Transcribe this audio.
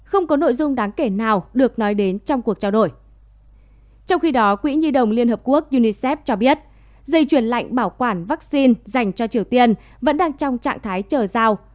hội đồng liên hợp quốc unicef cho biết dây chuyển lạnh bảo quản vaccine dành cho triều tiên vẫn đang trong trạng thái chờ giao